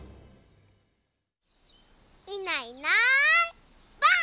いないいないばあっ！